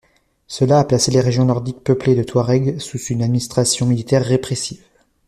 Cela a placé les régions nordiques peuplées de Touaregs sous une administration militaire répressive.